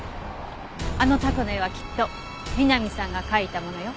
あのタコの絵はきっと美波さんが描いたものよ。